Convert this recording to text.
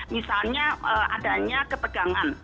misalnya adanya kepegangan